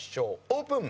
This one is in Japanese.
オープン。